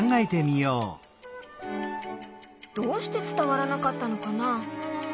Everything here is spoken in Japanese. どうしてつたわらなかったのかな？